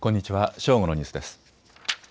正午のニュースです。